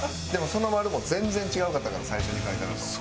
でもそのマルも全然違うかったから最初に描いたのと。